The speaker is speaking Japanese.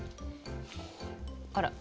あら？